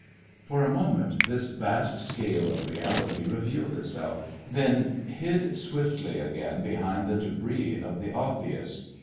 For a moment this vast scale of reality revealed itself, then hid swiftly again behind the débris of the obvious.